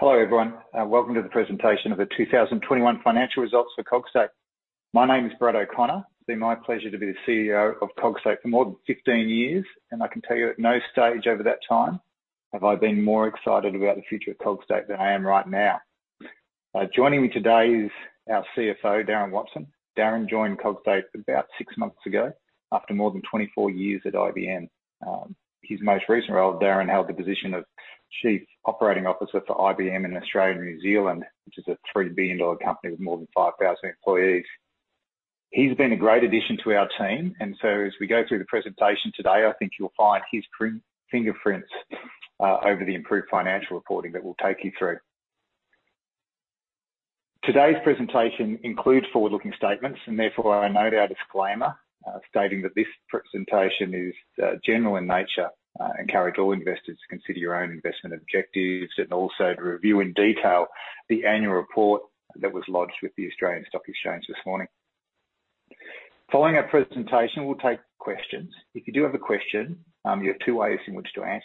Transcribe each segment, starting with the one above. Hello, everyone. Welcome to The presentation of the 2021 Financial Results for Cogstate. My name is Brad O'Connor. It's been my pleasure to be the CEO of Cogstate for more than 15 years, and I can tell you at no stage over that time have I been more excited about the future of Cogstate than I am right now. Joining me today is our CFO, Darren Watson. Darren joined Cogstate about six months ago after more than 24 years at IBM. His most recent role, Darren held the position of Chief Operating Officer for IBM in Australia and New Zealand, which is a $3 billion company with more than 5,000 employees. He's been a great addition to our team, and so as we go through the presentation today, I think you'll find his fingerprints over the improved financial reporting that we'll take you through. Today's presentation includes forward-looking statements, and therefore I note our disclaimer, stating that this presentation is general in nature. I encourage all investors to consider your own investment objectives and also to review in detail the annual report that was lodged with the Australian Securities Exchange this morning. Following our presentation, we'll take questions. If you do have a question, you have two ways in which to ask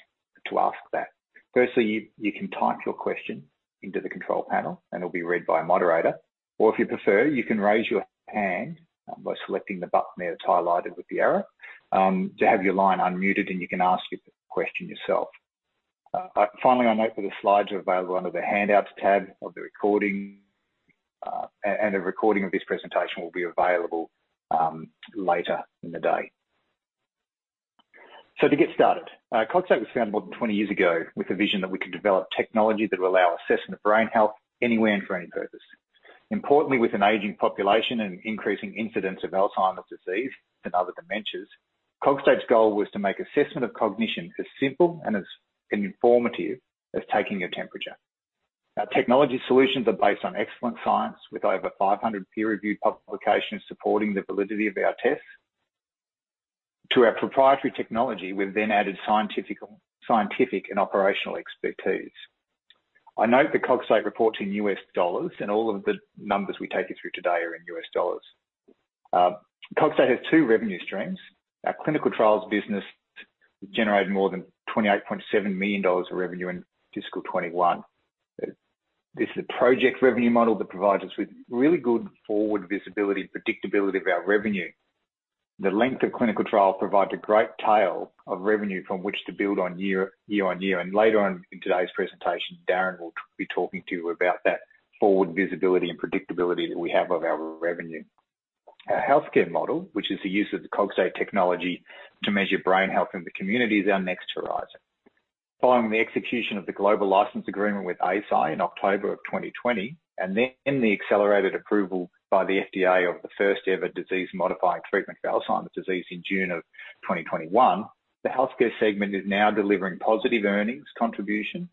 that. Firstly, you can type your question into the control panel, and it'll be read by a moderator. If you prefer, you can raise your hand by selecting the button there that's highlighted with the arrow, to have your line unmuted, and you can ask your question yourself. Finally, I note that the slides are available under the Handouts tab of the recording, and a recording of this presentation will be available later in the day. To get started, Cogstate was founded more than 20 years ago with a vision that we could develop technology that would allow assessment of brain health anywhere and for any purpose. Importantly, with an aging population and increasing incidence of Alzheimer's disease and other dementias, Cogstate's goal was to make assessment of cognition as simple and as informative as taking a temperature. Our technology solutions are based on excellent science with over 500 peer-reviewed publications supporting the validity of our tests. To our proprietary technology, we've then added scientific and operational expertise. I note that Cogstate reports in US dollars, and all of the numbers we take you through today are in US dollars. Cogstate has two revenue streams. Our clinical trials business generated more than $28.7 million of revenue in fiscal 2021. This is a project revenue model that provides us with really good forward visibility and predictability of our revenue. The length of clinical trial provides a great tail of revenue from which to build on year on year, and later on in today's presentation, Darren will be talking to you about that forward visibility and predictability that we have of our revenue. Our healthcare model, which is the use of the Cogstate technology to measure brain health in the community, is our next horizon. Following the execution of the global license agreement with Eisai in October of 2020, and then the accelerated approval by the FDA of the first-ever disease-modifying treatment for Alzheimer's disease in June of 2021, the healthcare segment is now delivering positive earnings contribution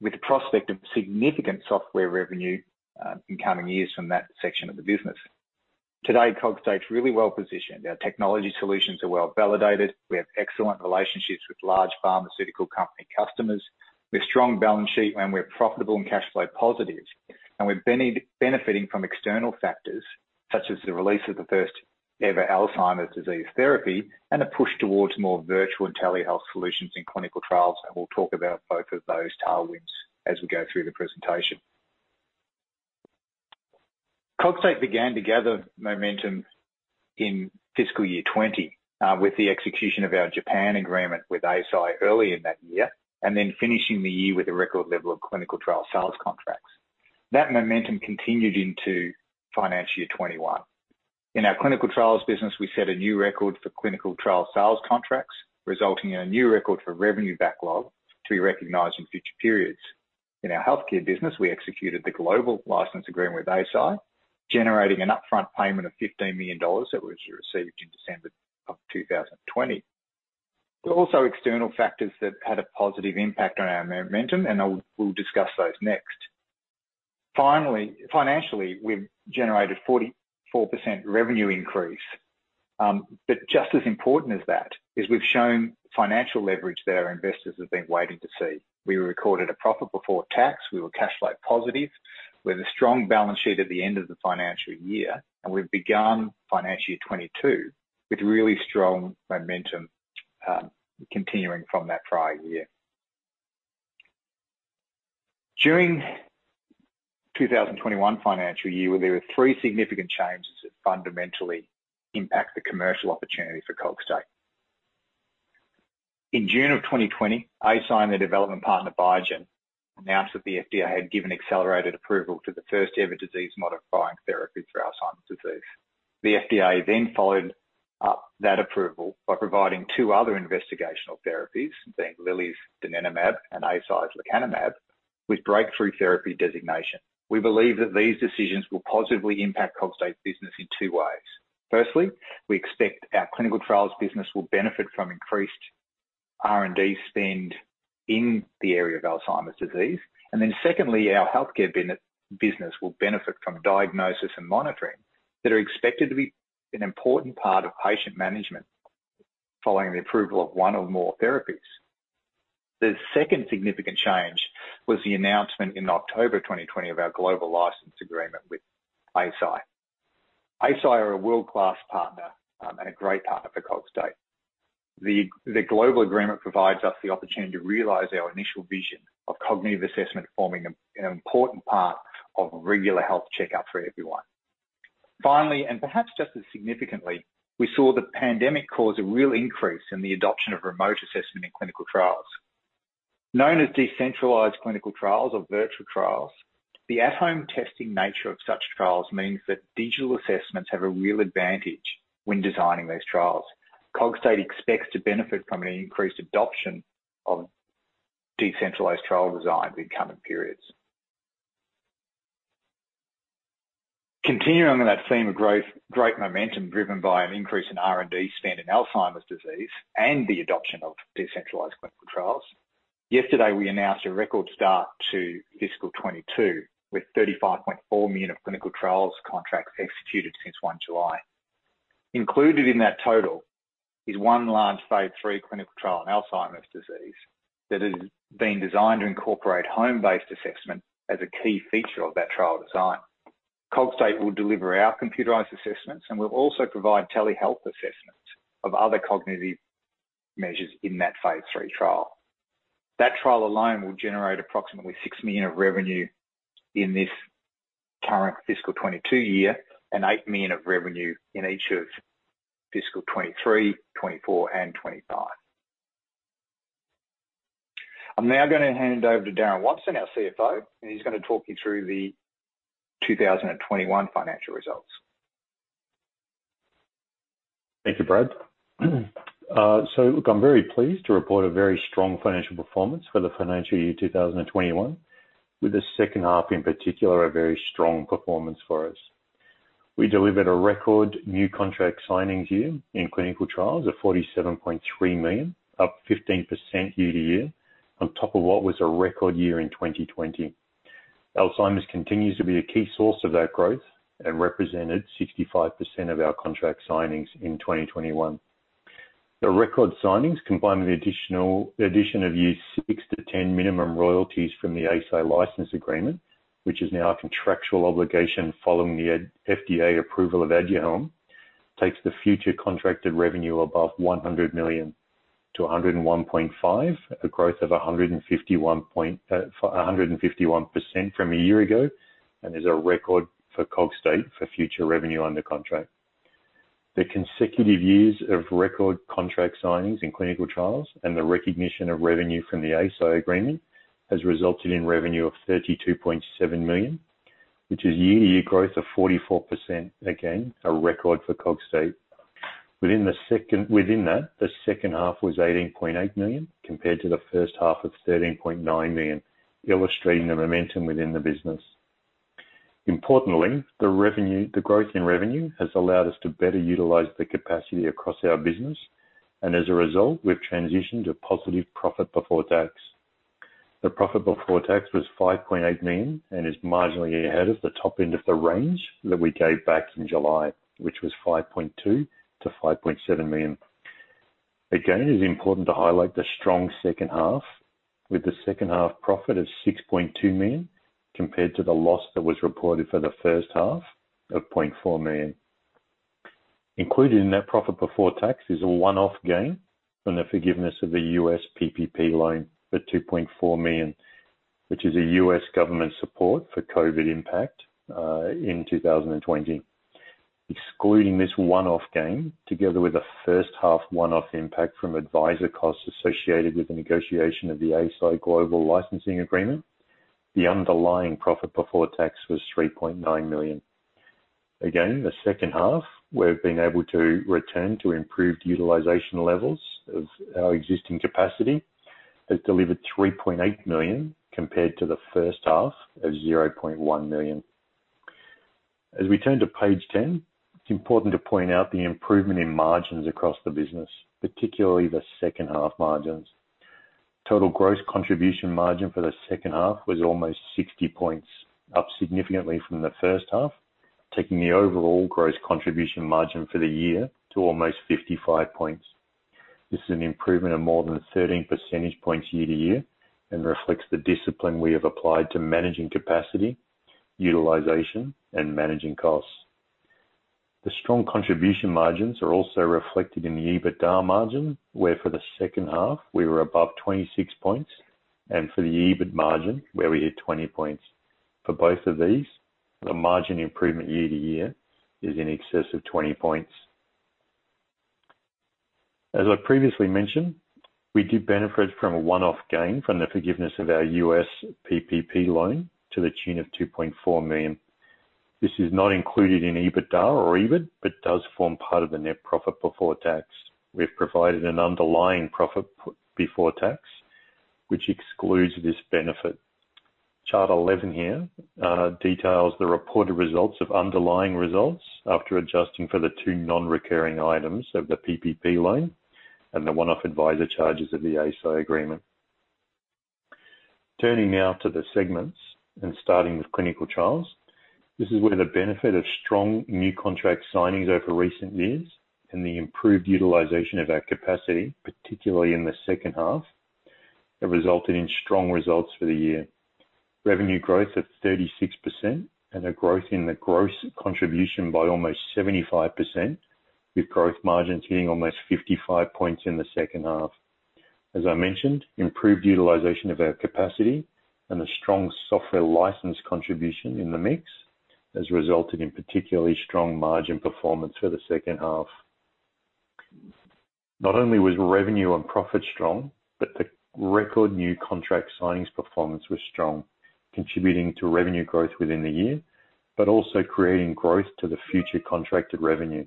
with the prospect of significant software revenue in coming years from that section of the business. Today, Cogstate's really well-positioned. Our technology solutions are well-validated. We have excellent relationships with large pharmaceutical company customers. We have strong balance sheet, we're profitable and cash flow positive. We're benefiting from external factors such as the release of the first-ever Alzheimer's disease therapy and a push towards more virtual and telehealth solutions in clinical trials. We'll talk about both of those tailwinds as we go through the presentation. Cogstate began to gather momentum in FY 2020 with the execution of our Japan agreement with Eisai early in that year, and then finishing the year with a record level of clinical trial sales contracts. That momentum continued into FY 2021. In our clinical trials business, we set a new record for clinical trial sales contracts, resulting in a new record for revenue backlog to be recognized in future periods. In our healthcare business, we executed the global license agreement with Eisai, generating an upfront payment of $15 million that was received in December of 2020. There are also external factors that had a positive impact on our momentum, and we'll discuss those next. Finally, financially, we've generated 44% revenue increase. Just as important as that is we've shown financial leverage that our investors have been waiting to see. We recorded a profit before tax. We were cash flow positive. We have a strong balance sheet at the end of the financial year, and we've begun financial year 2022 with really strong momentum continuing from that prior year. During 2021 financial year, there were three significant changes that fundamentally impact the commercial opportunity for Cogstate. In June of 2020, Eisai and their development partner, Biogen, announced that the FDA had given accelerated approval to the 1st-ever disease-modifying therapy for Alzheimer's disease. The FDA followed up that approval by providing two other investigational therapies, being Lilly's donanemab and Eisai's lecanemab, with breakthrough therapy designation. We believe that these decisions will positively impact Cogstate's business in two ways. Firstly, we expect our clinical trials business will benefit from increased R&D spend in the area of Alzheimer's disease. Secondly, our healthcare business will benefit from diagnosis and monitoring that are expected to be an important part of patient management following the approval of one or more therapies. The second significant change was the announcement in October 2020 of our global license agreement with Eisai are a world-class partner and a great partner for Cogstate. The global agreement provides us the opportunity to realize our initial vision of cognitive assessment forming an important part of a regular health checkup for everyone. Finally, and perhaps just as significantly, we saw the pandemic cause a real increase in the adoption of remote assessment in clinical trials. Known as decentralized clinical trials or virtual trials, the at-home testing nature of such trials means that digital assessments have a real advantage when designing these trials. Cogstate expects to benefit from an increased adoption of decentralized trial designs in coming periods. Continuing on that theme of great momentum driven by an increase in R&D spend in Alzheimer's disease and the adoption of decentralized clinical trials, yesterday, we announced a record start to fiscal 2022 with $35.4 million of clinical trials contracts executed since 1 July. Included in that total is one large phase III clinical trial in Alzheimer's disease that has been designed to incorporate home-based assessment as a key feature of that trial design. Cogstate will deliver our computerized assessments, and we'll also provide telehealth assessments of other cognitive measures in that phase III trial. That trial alone will generate approximately $6 million of revenue in this current fiscal 2022 year and $8 million of revenue in each of fiscal 2023, 2024, and 2025. I'm now going to hand it over to Darren Watson, our CFO, and he's going to talk you through the 2021 financial results. Thank you, Brad. I'm very pleased to report a very strong financial performance for the financial year 2021, with the second half in particular, a very strong performance for us. We delivered a record new contract signings year in clinical trials of $47.3 million, up 15% year-to-year on top of what was a record year in 2020. Alzheimer's continues to be a key source of that growth and represented 65% of our contract signings in 2021. The record signings combined with the addition of years 6-10 minimum royalties from the Eisai license agreement, which is now a contractual obligation following the FDA approval of ADUHELM, takes the future contracted revenue above $100 million to $101.5 million, a growth of 151% from a year ago, and is a record for Cogstate for future revenue under contract. The consecutive years of record contract signings in clinical trials and the recognition of revenue from the Eisai agreement has resulted in revenue of $32.7 million, which is year-to-year growth of 44%. Again, a record for Cogstate. Within that, the second half was $18.8 million, compared to the first half of $13.9 million, illustrating the momentum within the business. Importantly, the growth in revenue has allowed us to better utilize the capacity across our business, as a result, we've transitioned to positive profit before tax. The profit before tax was $5.8 million and is marginally ahead of the top end of the range that we gave back in July, which was $5.2 million-$5.7 million. Again, it is important to highlight the strong second half, with the second half profit of $6.2 million, compared to the loss that was reported for the first half of $0.4 million. Included in that profit before tax is a one-off gain from the forgiveness of the U.S. PPP loan for $2.4 million, which is a U.S. government support for COVID impact, in 2020. Excluding this one-off gain, together with the first half one-off impact from advisor costs associated with the negotiation of the Eisai global licensing agreement, the underlying profit before tax was $3.9 million. The second half, we've been able to return to improved utilization levels of our existing capacity, has delivered $3.8 million compared to the first half of $0.1 million. As we turn to page 10, it's important to point out the improvement in margins across the business, particularly the second half margins. Total gross contribution margin for the second half was almost 60 points, up significantly from the first half, taking the overall gross contribution margin for the year to almost 55 points. This is an improvement of more than 13 percentage points year-to-year and reflects the discipline we have applied to managing capacity, utilization, and managing costs. The strong contribution margins are also reflected in the EBITDA margin, where for the second half, we were above 26 points, and for the EBIT margin, where we hit 20 points. For both of these, the margin improvement year-to-year is in excess of 20 points. As I previously mentioned, we did benefit from a one-off gain from the forgiveness of our U.S. PPP loan to the tune of $2.4 million. This is not included in EBITDA or EBIT, but does form part of the net profit before tax. We've provided an underlying profit before tax, which excludes this benefit. Chart 11 here details the reported results of underlying results after adjusting for the two non-recurring items of the PPP loan and the one-off advisor charges of the Eisai agreement. Turning now to the segments and starting with clinical trials. This is where the benefit of strong new contract signings over recent years and the improved utilization of our capacity, particularly in the second half have resulted in strong results for the year. Revenue growth of 36% and a growth in the gross contribution by almost 75%, with gross margins hitting almost 55 points in the second half. As I mentioned, improved utilization of our capacity and a strong software license contribution in the mix has resulted in particularly strong margin performance for the second half. Not only was revenue and profit strong, but the record new contract signings performance was strong, contributing to revenue growth within the year, but also creating growth to the future contracted revenue.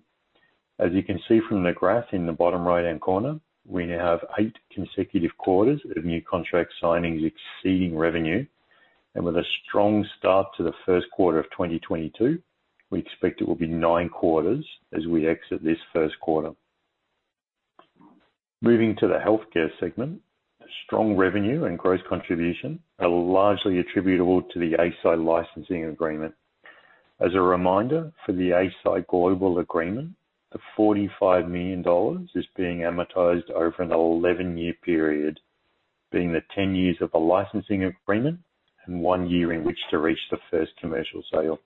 As you can see from the graph in the bottom right-hand corner, we now have eight consecutive quarters of new contract signings exceeding revenue. With a strong start to the first quarter of 2022, we expect it will be nine quarters as we exit this first quarter. Moving to the healthcare segment, strong revenue and gross contribution are largely attributable to the Eisai licensing agreement. As a reminder, for the Eisai global agreement, the $45 million is being amortized over an 11-year period, being the 10 years of the licensing agreement and one year in which to reach the first commercial sale.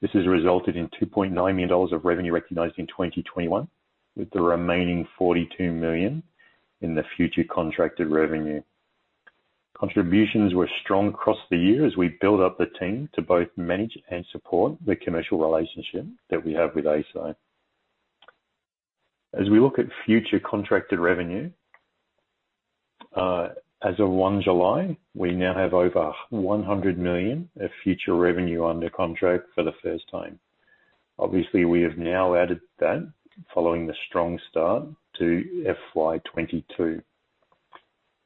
This has resulted in $2.9 million of revenue recognized in 2021, with the remaining $42 million in the future contracted revenue. Contributions were strong across the year as we build up the team to both manage and support the commercial relationship that we have with Eisai. As we look at future contracted revenue, as of 1 July, we now have over $100 million of future revenue under contract for the first time. Obviously, we have now added that following the strong start to FY 2022.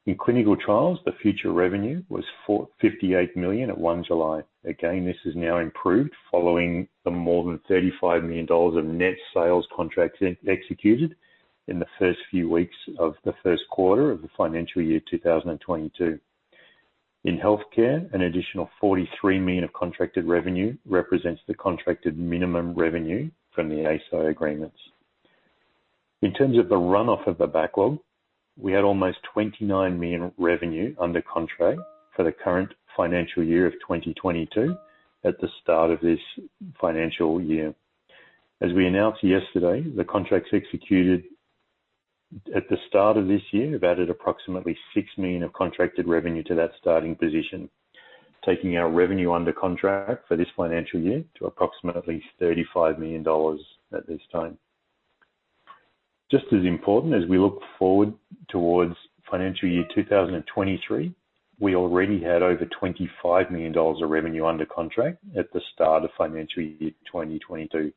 In clinical trials, the future revenue was $58 million at 1 July. Again, this has now improved following the more than $35 million of net sales contracts executed in the first few weeks of the first quarter of the financial year 2022. In healthcare, an additional $43 million of contracted revenue represents the contracted minimum revenue from the Eisai agreements. In terms of the runoff of the backlog, we had almost $29 million revenue under contract for the current financial year of 2022 at the start of this financial year. As we announced yesterday, the contracts executed at the start of this year have added approximately $6 million of contracted revenue to that starting position, taking our revenue under contract for this financial year to approximately $35 million at this time. Just as important, as we look forward towards financial year 2023, we already had over $25 million of revenue under contract at the start of financial year 2022,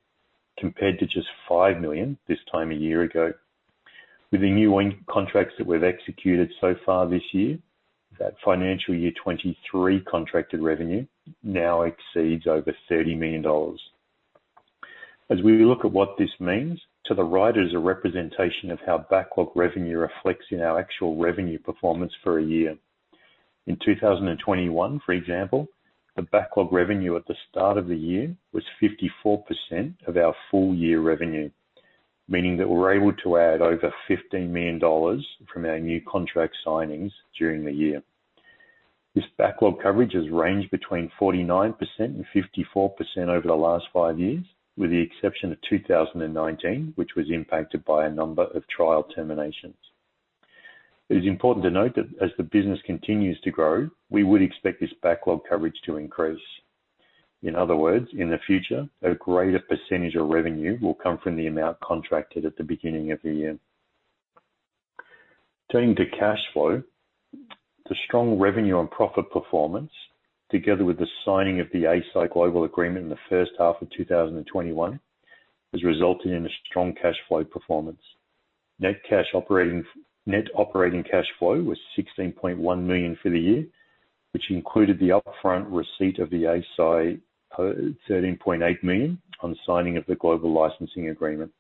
compared to just $5 million this time a year ago. With the new contracts that we've executed so far this year, that financial year 2023 contracted revenue now exceeds over $30 million. As we look at what this means, to the right is a representation of how backlog revenue reflects in our actual revenue performance for a year. In 2021, for example, the backlog revenue at the start of the year was 54% of our full year revenue, meaning that we were able to add over $15 million from our new contract signings during the year. This backlog coverage has ranged between 49% and 54% over the last five years, with the exception of 2019, which was impacted by a number of trial terminations. It is important to note that as the business continues to grow, we would expect this backlog coverage to increase. In other words, in the future, a greater percentage of revenue will come from the amount contracted at the beginning of the year. Turning to cash flow. The strong revenue and profit performance, together with the signing of the Eisai global agreement in the first half of 2021, has resulted in a strong cash flow performance. Net operating cash flow was $16.1 million for the year, which included the upfront receipt of the Eisai $13.8 million on signing of the global licensing agreement.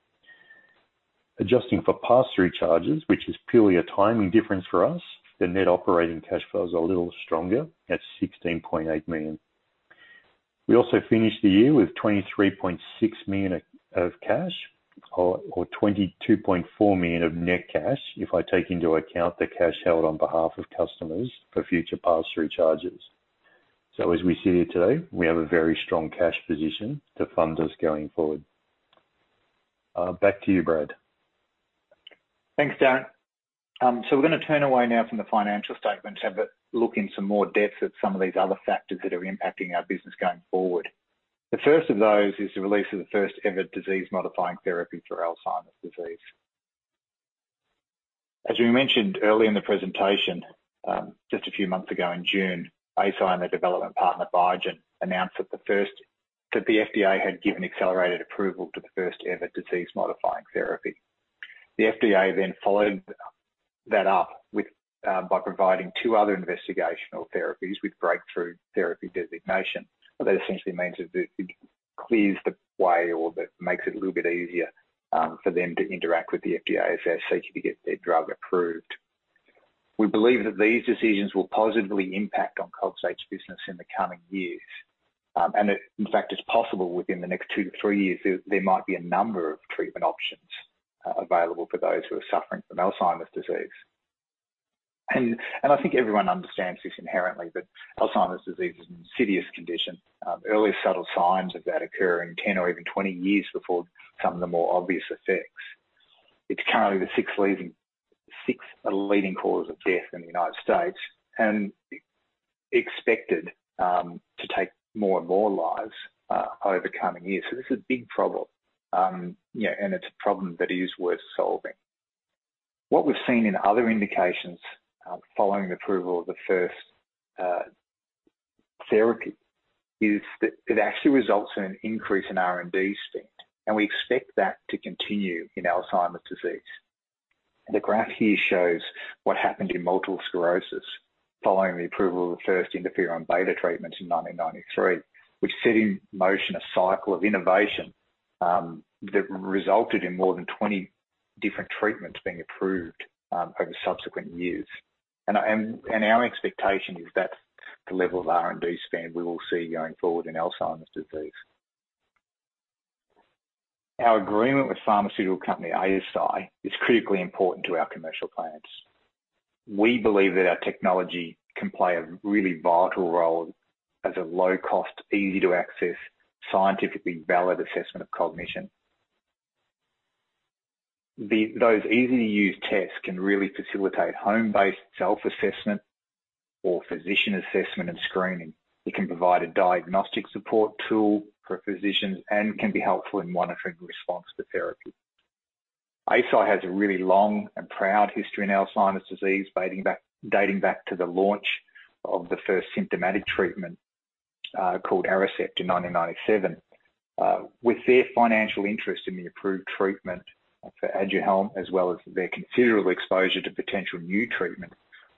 Adjusting for pass-through charges, which is purely a timing difference for us, the net operating cash flow is a little stronger at $16.8 million. We also finished the year with $23.6 million of cash or $22.4 million of net cash, if I take into account the cash held on behalf of customers for future pass-through charges. As we sit here today, we have a very strong cash position to fund us going forward. Back to you, Brad. Thanks, Darren. We're going to turn away now from the financial statements and look in some more depth at some of these other factors that are impacting our business going forward. The first of those is the release of the first-ever disease-modifying therapy for Alzheimer's disease. As we mentioned early in the presentation, just a few months ago in June, Eisai and their development partner, Biogen, announced that the FDA had given accelerated approval to the first-ever disease-modifying therapy. The FDA then followed that up by providing two other investigational therapies with breakthrough therapy designation. What that essentially means is it clears the way or that makes it a little bit easier for them to interact with the FDA as they're seeking to get their drug approved. We believe that these decisions will positively impact on Cogstate's business in the coming years. In fact, it's possible within the next two to three years, there might be a number of treatment options available for those who are suffering from Alzheimer's disease. I think everyone understands this inherently, that Alzheimer's disease is an insidious condition. Early subtle signs of that occur in 10 or even 20 years before some of the more obvious effects. It's currently the sixth leading cause of death in the U.S., and expected to take more and more lives over coming years. This is a big problem. It's a problem that is worth solving. What we've seen in other indications, following the approval of the first therapy, is that it actually results in an increase in R&D spend. We expect that to continue in Alzheimer's disease. The graph here shows what happened in multiple sclerosis following the approval of the first interferon beta treatment in 1993, which set in motion a cycle of innovation that resulted in more than 20 different treatments being approved over subsequent years. Our expectation is that's the level of R&D spend we will see going forward in Alzheimer's disease. Our agreement with pharmaceutical company Eisai is critically important to our commercial plans. We believe that our technology can play a really vital role as a low-cost, easy-to-access, scientifically valid assessment of cognition. Those easy-to-use tests can really facilitate home-based self-assessment or physician assessment and screening. It can provide a diagnostic support tool for physicians and can be helpful in monitoring response to therapy. Eisai has a really long and proud history in Alzheimer's disease, dating back to the launch of the first symptomatic treatment, called Aricept in 1997. With their financial interest in the approved treatment for ADUHELM, as well as their considerable exposure to potential new treatment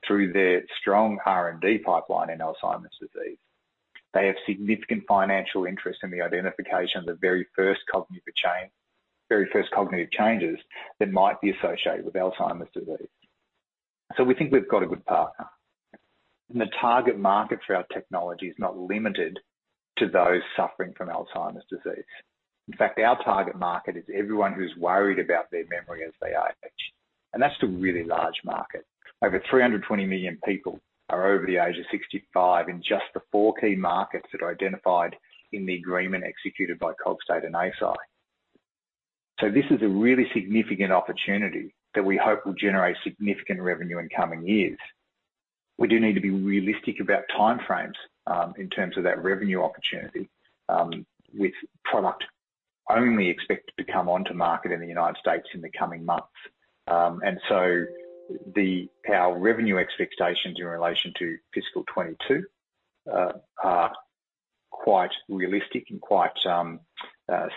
through their strong R&D pipeline in Alzheimer's disease, they have significant financial interest in the identification of the very first cognitive changes that might be associated with Alzheimer's disease. We think we've got a good partner. The target market for our technology is not limited to those suffering from Alzheimer's disease. In fact, our target market is everyone who's worried about their memory as they age, and that's a really large market. Over 320 million people are over the age of 65 in just the four key markets that are identified in the agreement executed by Cogstate and Eisai. This is a really significant opportunity that we hope will generate significant revenue in coming years. We do need to be realistic about time frames, in terms of that revenue opportunity, with product only expected to come onto market in the U.S. in the coming months. Our revenue expectations in relation to fiscal 2022 are quite realistic and quite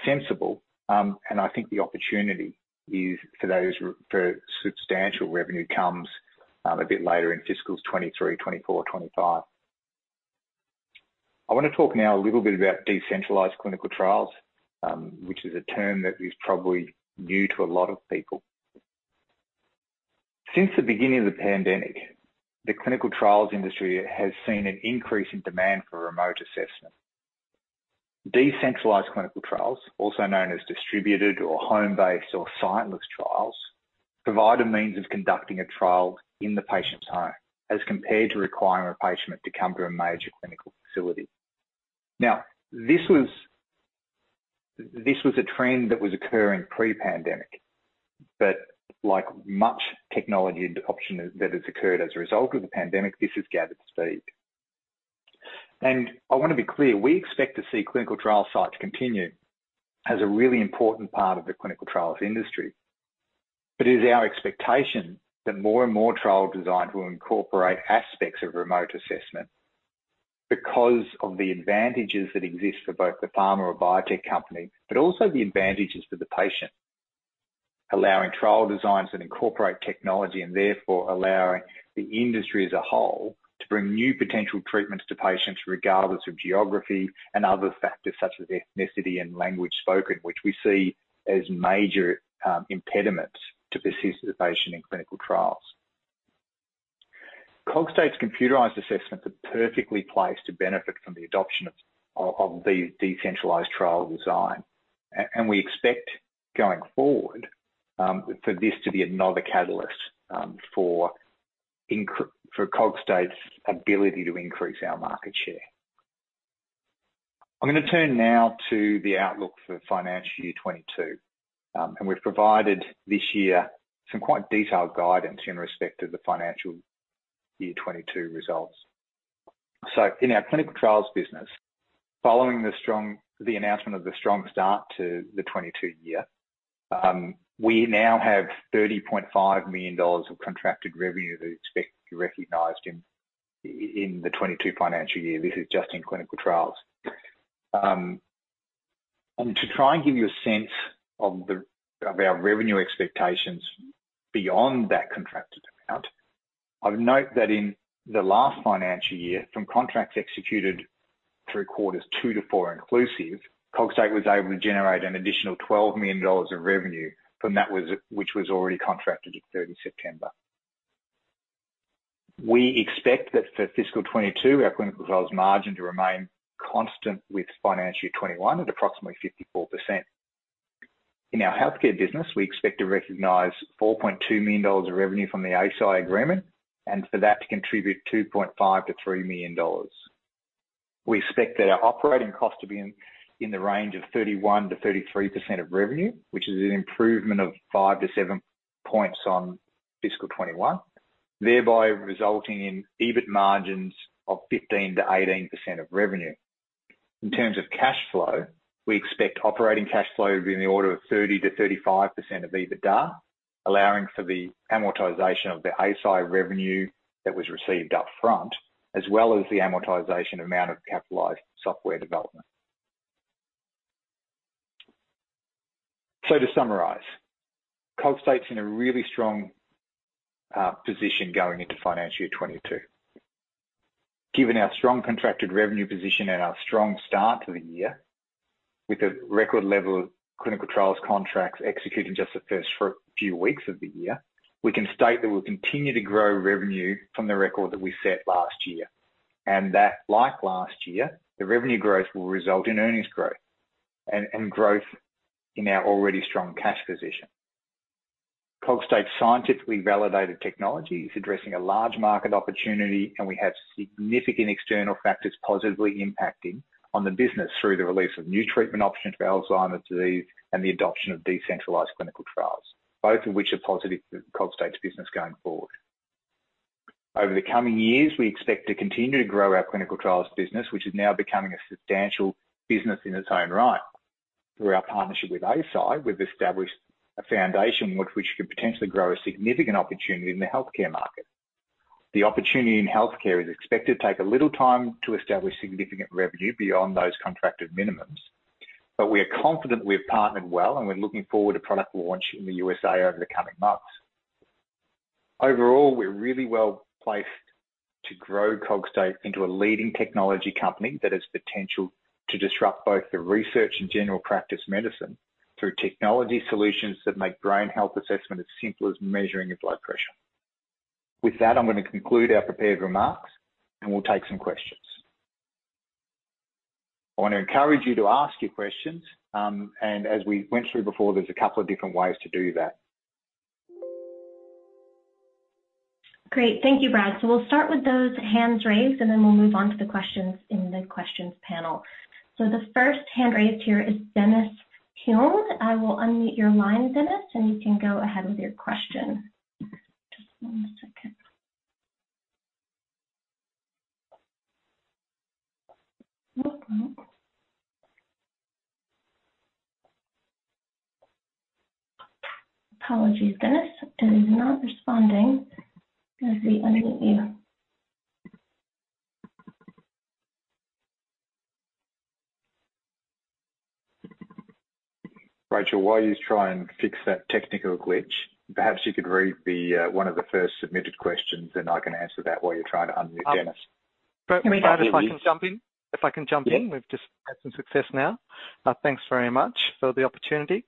sensible. I think the opportunity is for substantial revenue comes a bit later in fiscals 2023, 2024, 2025. I want to talk now a little bit about decentralized clinical trials, which is a term that is probably new to a lot of people. Since the beginning of the pandemic, the clinical trials industry has seen an increase in demand for remote assessment. Decentralized clinical trials, also known as distributed or home-based or site-less trials, provide a means of conducting a trial in the patient's home as compared to requiring a patient to come to a major clinical facility. This was a trend that was occurring pre-pandemic, but like much technology adoption that has occurred as a result of the pandemic, this has gathered speed. I want to be clear, we expect to see clinical trial sites continue as a really important part of the clinical trials industry. It is our expectation that more and more trial designs will incorporate aspects of remote assessment because of the advantages that exist for both the pharma or biotech company, but also the advantages to the patient, allowing trial designs that incorporate technology and therefore allowing the industry as a whole to bring new potential treatments to patients regardless of geography and other factors such as ethnicity and language spoken, which we see as major impediments to participation in clinical trials. Cogstate's computerized assessments are perfectly placed to benefit from the adoption of the decentralized trial design, we expect, going forward, for this to be another catalyst for Cogstate's ability to increase our market share. I'm going to turn now to the outlook for FY 2022. We've provided this year some quite detailed guidance in respect of the FY 2022 results. In our clinical trials business, following the announcement of the strong start to the 2022 year, we now have $30.5 million of contracted revenue that we expect to be recognized in the 2022 financial year. This is just in clinical trials. To try and give you a sense of our revenue expectations beyond that contracted amount, I would note that in the last financial year, from contracts executed through quarters two to four inclusive, Cogstate was able to generate an additional $12 million of revenue from that which was already contracted at 30 September. We expect that for FY 2022, our clinical trials margin to remain constant with FY 2021 at approximately 54%. In our healthcare business, we expect to recognize $4.2 million of revenue from the Eisai agreement, and for that to contribute $2.5 million-$3 million. We expect that our operating cost to be in the range of 31%-33% of revenue, which is an improvement of five to seven points on FY 2021, thereby resulting in EBIT margins of 15%-18% of revenue. In terms of cash flow, we expect operating cash flow to be in the order of 30%-35% of EBITDA, allowing for the amortization of the Eisai revenue that was received upfront, as well as the amortization amount of capitalized software development. To summarize, Cogstate's in a really strong position going into financial year 2022. Given our strong contracted revenue position and our strong start to the year, with a record level of clinical trials contracts executed just the first few weeks of the year, we can state that we'll continue to grow revenue from the record that we set last year. That like last year, the revenue growth will result in earnings growth and growth in our already strong cash position. Cogstate's scientifically validated technology is addressing a large market opportunity, and we have significant external factors positively impacting on the business through the release of new treatment options for Alzheimer's disease and the adoption of decentralized clinical trials, both of which are positive for Cogstate's business going forward. Over the coming years, we expect to continue to grow our clinical trials business, which is now becoming a substantial business in its own right. Through our partnership with Eisai, we've established a foundation with which we could potentially grow a significant opportunity in the healthcare market. The opportunity in healthcare is expected to take a little time to establish significant revenue beyond those contracted minimums. We are confident we have partnered well, and we're looking forward to product launch in the USA over the coming months. Overall, we're really well-placed to grow Cogstate into a leading technology company that has potential to disrupt both the research and general practice medicine through technology solutions that make brain health assessment as simple as measuring your blood pressure. With that, I'm going to conclude our prepared remarks, and we'll take some questions. I want to encourage you to ask your questions, and as we went through before, there's a couple of different ways to do that. Great. Thank you, Brad. We'll start with those hands raised, and then we'll move on to the questions in the questions panel. The first hand raised here is Dennis Kurr. I will unmute your line, Dennis, and you can go ahead with your question. Just one second. Apologies, Dennis, it is not responding. Let's see. Unmute you. Rachel, while you try and fix that technical glitch, perhaps you could read one of the first submitted questions. I can answer that while you're trying to unmute Dennis Kurr. Brad, if I can jump in. Yeah. We've just had some success now. Thanks very much for the opportunity.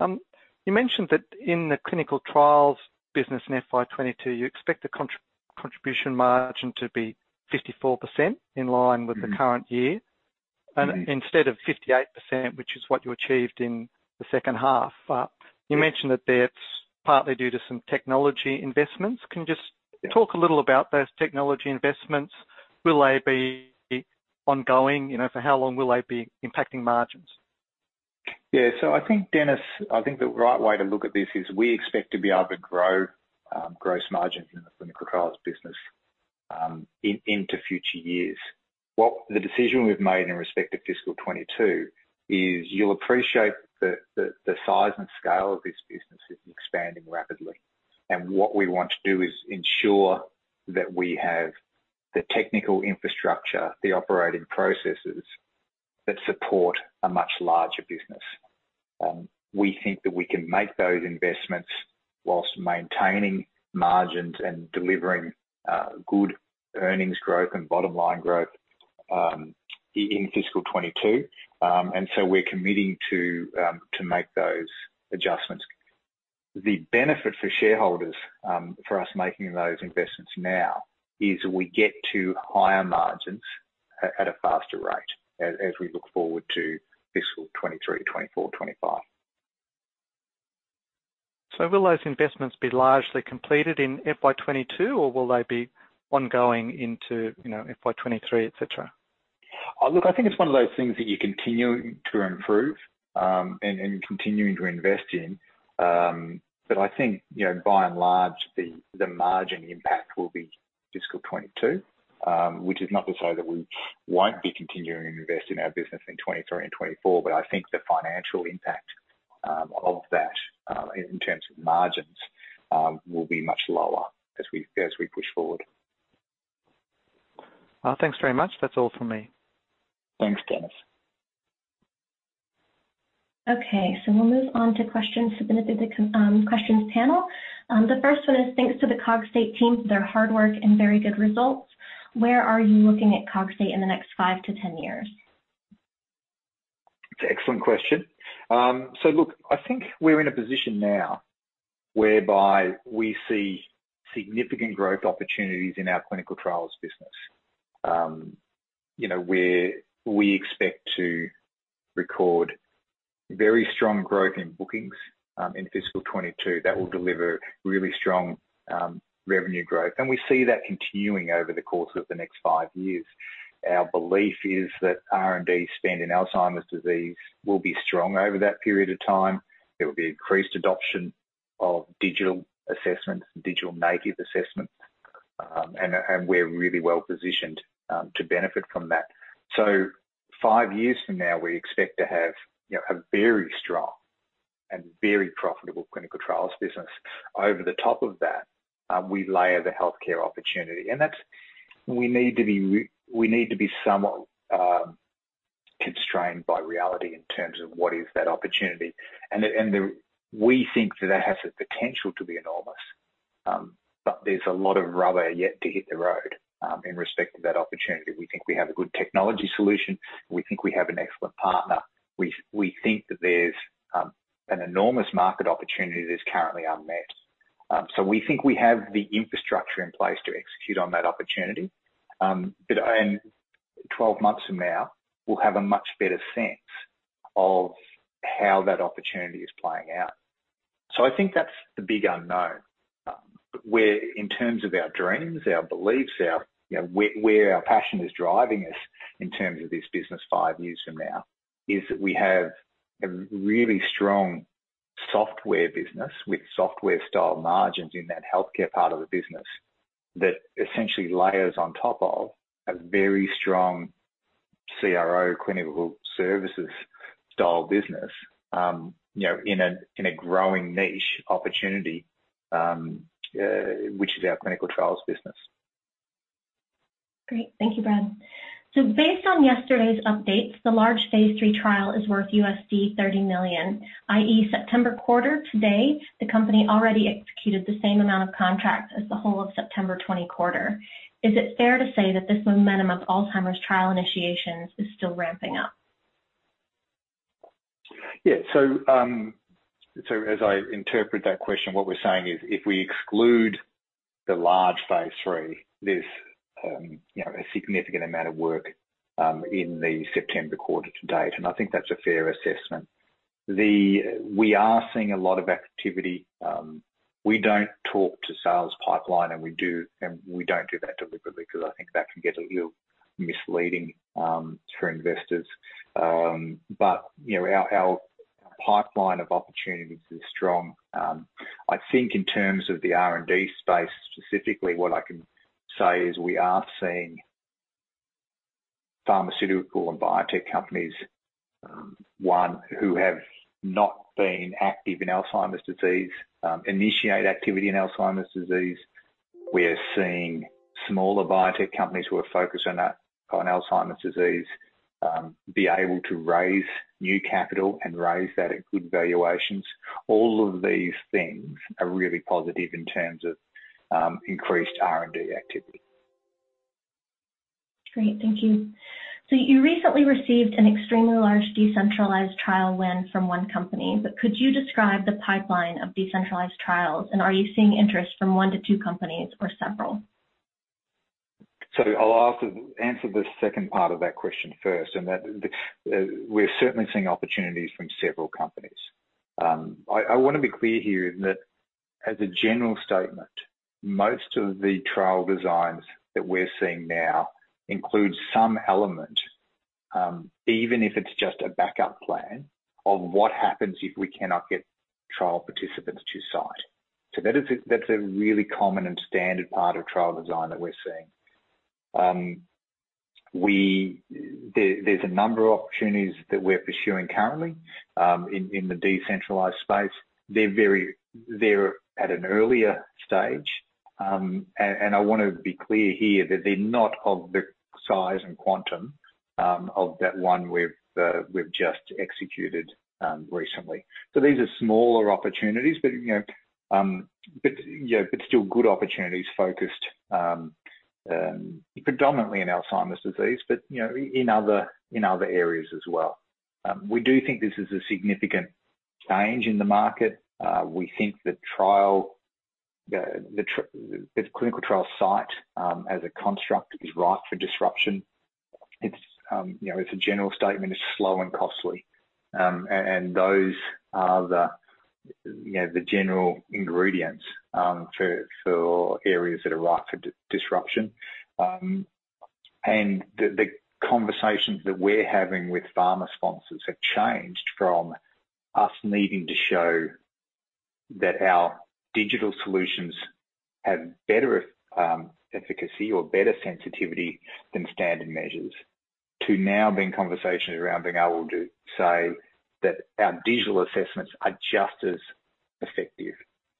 You mentioned that in the clinical trials business in FY 2022, you expect the contribution margin to be 54% in line with the current year, Instead of 58%, which is what you achieved in the second half. Yes. You mentioned that that's partly due to some technology investments. Can you just talk a little about those technology investments? Will they be ongoing? For how long will they be impacting margins? I think, Dennis, I think the right way to look at this is we expect to be able to grow gross margins in the clinical trials business into future years. The decision we've made in respect to FY 2022 is you'll appreciate the size and scale of this business is expanding rapidly. What we want to do is ensure that we have the technical infrastructure, the operating processes that support a much larger business. We think that we can make those investments while maintaining margins and delivering good earnings growth and bottom-line growth in FY 2022. We're committing to make those adjustments. The benefit for shareholders for us making those investments now is we get to higher margins at a faster rate as we look forward to FY 2023, FY 2024, FY 2025. Will those investments be largely completed in FY 2022, or will they be ongoing into FY 2023, et cetera? Look, I think it's one of those things that you're continuing to improve, and continuing to invest in. I think, by and large, the margin impact will be fiscal 2022, which is not to say that we won't be continuing to invest in our business in 2023 and 2024, but I think the financial impact of that in terms of margins will be much lower as we push forward. Thanks very much. That's all from me. Thanks, Dennis. Okay, we'll move on to questions submitted through the questions panel. The first one is, thanks to the Cogstate team for their hard work and very good results. Where are you looking at Cogstate in the next five to 10 years? Excellent question. Look, I think we're in a position now whereby we see significant growth opportunities in our clinical trials business. Where we expect to record very strong growth in bookings, in FY 2022 that will deliver really strong revenue growth. We see that continuing over the course of the next five years. Our belief is that R&D spend in Alzheimer's disease will be strong over that period of time. There will be increased adoption of digital assessments, digital native assessments, and we're really well-positioned to benefit from that. Five years from now, we expect to have a very strong and very profitable clinical trials business. Over the top of that, we layer the healthcare opportunity. That we need to be somewhat constrained by reality in terms of what is that opportunity. We think that has the potential to be enormous. There's a lot of rubber yet to hit the road in respect of that opportunity. We think we have a good technology solution. We think we have an excellent partner. We think that there's an enormous market opportunity that's currently unmet. We think we have the infrastructure in place to execute on that opportunity. In 12 months from now, we'll have a much better sense of how that opportunity is playing out. I think that's the big unknown. Where in terms of our dreams, our beliefs, where our passion is driving us in terms of this business five years from now, is that we have a really strong software business with software style margins in that healthcare part of the business that essentially layers on top of a very strong CRO clinical services style business, in a growing niche opportunity, which is our clinical trials business. Great. Thank you, Brad. Based on yesterday's updates, the large phase III trial is worth $30 million, i.e., September quarter today, the company already executed the same amount of contracts as the whole of September 2020 quarter. Is it fair to say that this momentum of Alzheimer's trial initiations is still ramping up? Yeah. As I interpret that question, what we're saying is if we exclude the large phase III, there's a significant amount of work, in the September quarter to date, and I think that's a fair assessment. We are seeing a lot of activity. We don't talk to sales pipeline, and we don't do that deliberately because I think that can get a little misleading for investors. Our pipeline of opportunities is strong. I think in terms of the R&D space specifically, what I can say is we are seeing pharmaceutical and biotech companies, one, who have not been active in Alzheimer's disease, initiate activity in Alzheimer's disease. We're seeing smaller biotech companies who are focused on Alzheimer's disease, be able to raise new capital and raise that at good valuations. All of these things are really positive in terms of increased R&D activity. Great. Thank you. You recently received an extremely large decentralized trial win from one company, but could you describe the pipeline of decentralized trials, and are you seeing interest from one to two companies or several? I'll answer the second part of that question first, and that we're certainly seeing opportunities from several companies. I want to be clear here that as a general statement, most of the trial designs that we're seeing now include some element, even if it's just a backup plan of what happens if we cannot get trial participants to site. That's a really common and standard part of trial design that we're seeing. There's a number of opportunities that we're pursuing currently, in the decentralized space. They're at an earlier stage. I want to be clear here that they're not of the size and quantum of that one we've just executed recently. These are smaller opportunities, but still good opportunities focused predominantly in Alzheimer's disease, but in other areas as well. We do think this is a significant change in the market. We think that clinical trial site, as a construct, is ripe for disruption. As a general statement, it's slow and costly. Those are the general ingredients for areas that are ripe for disruption. The conversations that we're having with pharma sponsors have changed from us needing to show that our digital solutions have better efficacy or better sensitivity than standard measures to now being conversations around being able to say that our digital assessments are just as effective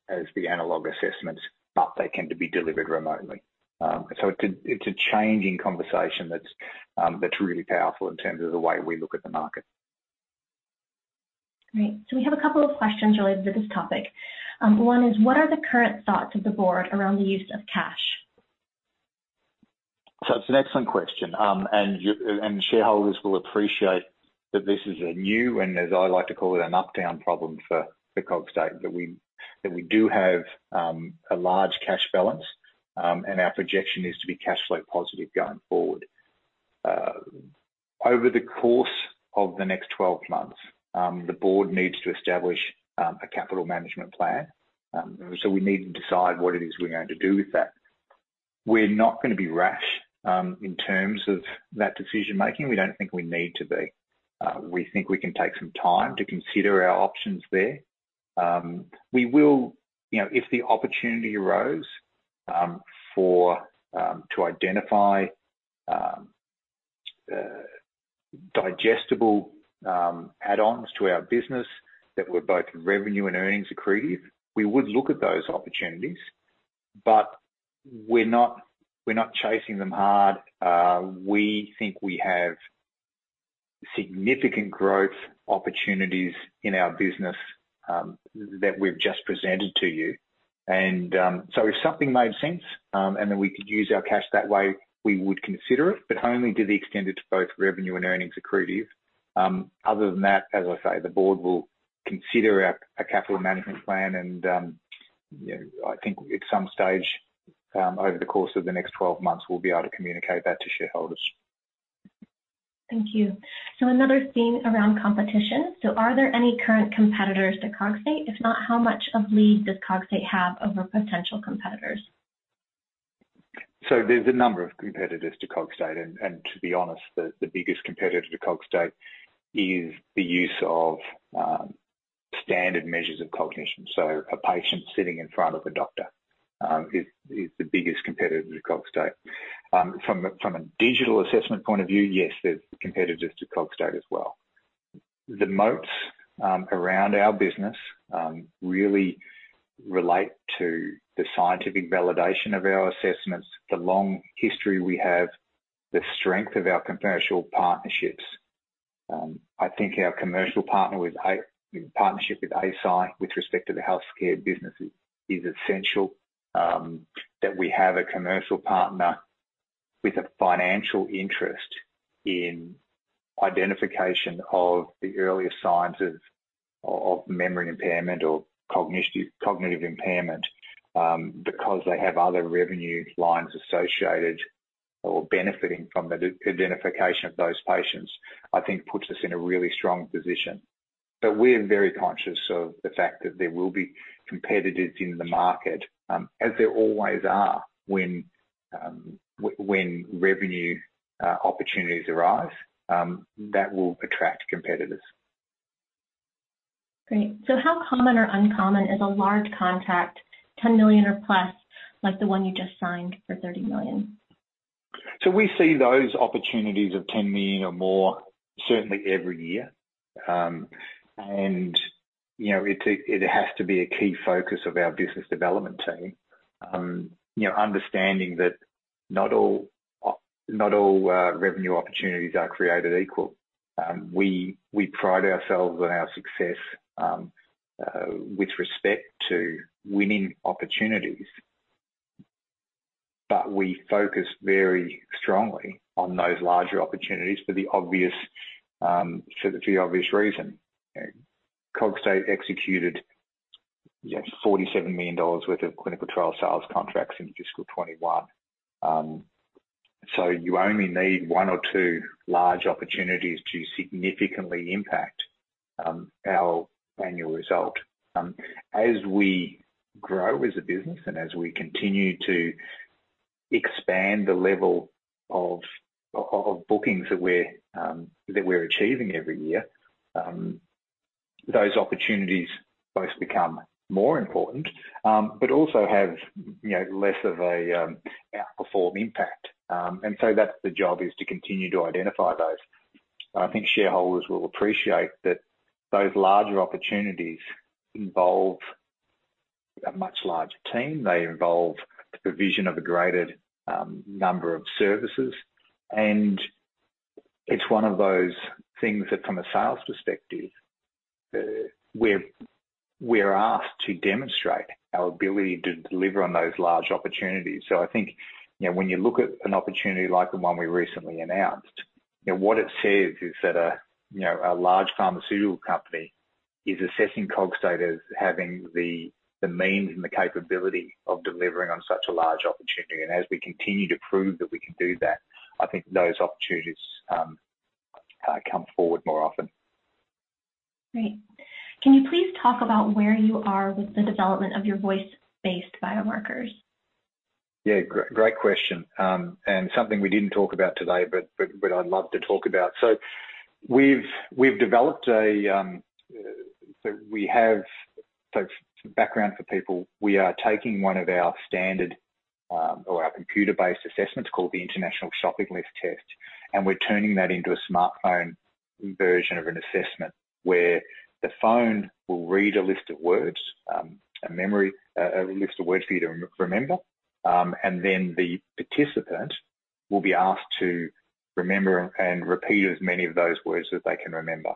as the analog assessments, but they can be delivered remotely. It's a change in conversation that's really powerful in terms of the way we look at the market. Great. We have a couple of questions related to this topic. One is, what are the current thoughts of the board around the use of cash? That's an excellent question. Shareholders will appreciate that this is a new, and as I like to call it, an uptown problem for Cogstate, that we do have a large cash balance, and our projection is to be cash flow positive going forward. Over the course of the next 12 months, the board needs to establish a capital management plan. We need to decide what it is we're going to do with that. We're not going to be rash in terms of that decision-making. We don't think we need to be. We think we can take some time to consider our options there. If the opportunity arose to identify digestible add-ons to our business that were both revenue and earnings accretive, we would look at those opportunities, but we're not chasing them hard. We think we have significant growth opportunities in our business that we've just presented to you. If something made sense, and then we could use our cash that way, we would consider it, but only to the extent it's both revenue and earnings accretive. Other than that, as I say, the board will consider a capital management plan and, I think at some stage, over the course of the next 12 months, we'll be able to communicate that to shareholders. Thank you. Another theme around competition. Are there any current competitors to Cogstate? If not, how much of a lead does Cogstate have over potential competitors? There's a number of competitors to Cogstate, and to be honest, the biggest competitor to Cogstate is the use of standard measures of cognition. A patient sitting in front of a doctor is the biggest competitor to Cogstate. From a digital assessment point of view, yes, there's competitors to Cogstate as well. The moats around our business really relate to the scientific validation of our assessments, the long history we have, the strength of our commercial partnerships. I think our commercial partnership with Eisai with respect to the healthcare business is essential, that we have a commercial partner with a financial interest in identification of the earliest signs of memory impairment or cognitive impairment, because they have other revenue lines associated or benefiting from the identification of those patients, I think puts us in a really strong position. We're very conscious of the fact that there will be competitors in the market, as there always are when revenue opportunities arise that will attract competitors. Great. How common or uncommon is a large contract, $10 million or plus, like the one you just signed for $30 million? We see those opportunities of $10 million or more certainly every year. It has to be a key focus of our business development team, understanding that not all revenue opportunities are created equal. We pride ourselves on our success with respect to winning opportunities, but we focus very strongly on those larger opportunities for the obvious reason. Cogstate executed $47 million worth of clinical trial sales contracts in fiscal 2021. You only need one or two large opportunities to significantly impact our annual result. As we grow as a business and as we continue to expand the level of bookings that we're achieving every year, those opportunities both become more important, but also have less of a outform impact. That's the job is to continue to identify those. I think shareholders will appreciate that those larger opportunities involve a much larger team. They involve the provision of a greater number of services, and it's one of those things that from a sales perspective, we're asked to demonstrate our ability to deliver on those large opportunities. I think when you look at an opportunity like the one we recently announced, what it says is that a large pharmaceutical company is assessing Cogstate as having the means and the capability of delivering on such a large opportunity. As we continue to prove that we can do that, I think those opportunities come forward more often. Great. Can you please talk about where you are with the development of your voice-based biomarkers? Yeah, great question. Something we didn't talk about today, but I'd love to talk about. For some background for people, we are taking one of our standard or our computer-based assessments called the International Shopping List Test, and we're turning that into a smartphone version of an assessment where the phone will read a list of words for you to remember, and then the participant will be asked to remember and repeat as many of those words that they can remember.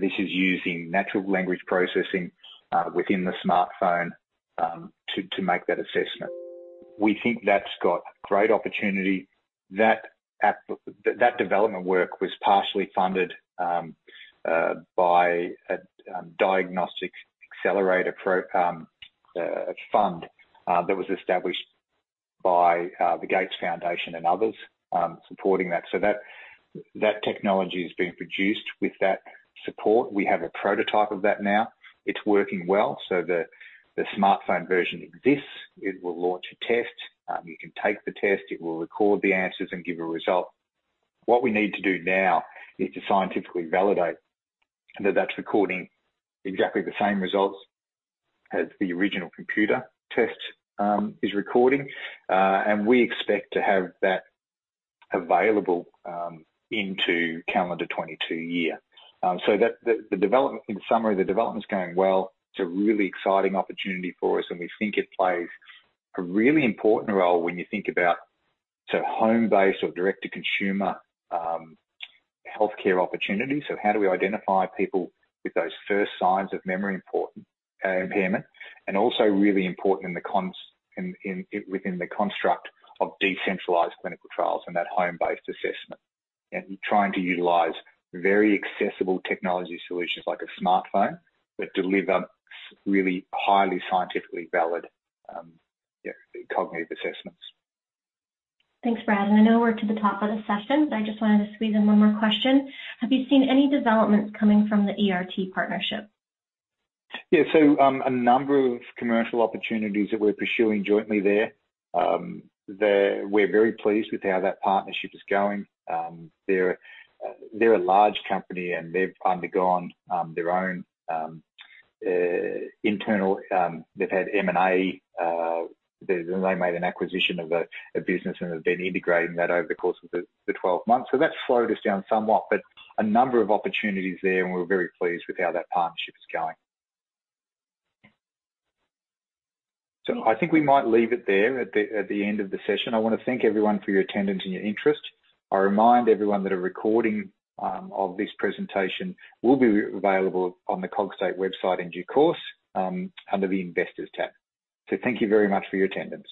This is using natural language processing within the smartphone to make that assessment. We think that's got great opportunity. That development work was partially funded by a Diagnostics Accelerator fund that was established by the Gates Foundation and others supporting that. That technology is being produced with that support. We have a prototype of that now. It's working well. The smartphone version exists. It will launch a test. You can take the test, it will record the answers and give a result. What we need to do now is to scientifically validate that that's recording exactly the same results as the original computer test is recording. We expect to have that available into calendar 2022 year. In summary, the development's going well. It's a really exciting opportunity for us, and we think it plays a really important role when you think about home-based or direct-to-consumer healthcare opportunities. How do we identify people with those first signs of memory impairment? Also really important within the construct of decentralized clinical trials and that home-based assessment, and trying to utilize very accessible technology solutions like a smartphone that delivers really highly scientifically valid cognitive assessments. Thanks, Brad. I know we're to the top of the session. I just wanted to squeeze in one more question. Have you seen any developments coming from the ERT partnership? A number of commercial opportunities that we're pursuing jointly there. We're very pleased with how that partnership is going. They're a large company. They've had M&A, they made an acquisition of a business and have been integrating that over the course of the 12 months. That slowed us down somewhat, but a number of opportunities there, and we're very pleased with how that partnership is going. I think we might leave it there at the end of the session. I want to thank everyone for your attendance and your interest. I remind everyone that a recording of this presentation will be available on the Cogstate website in due course under the Investors tab. Thank you very much for your attendance.